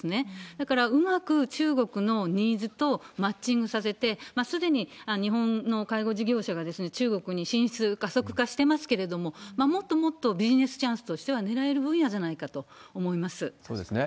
だから、うまく中国のニーズとマッチングさせて、すでに日本の介護事業者が中国に進出、加速化してますけれども、もっともっとビジネスチャンスとしては狙える分野じゃないかと思そうですね。